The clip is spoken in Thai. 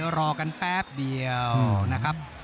ภูตวรรณสิทธิ์บุญมีน้ำเงิน